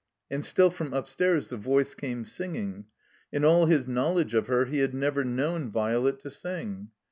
And still from upstairs the voice came singing. In all his knowledge of her he had never known Violet to sing.